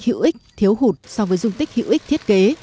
hữu ích thiếu hụt so với dung tích hữu ích thiết kế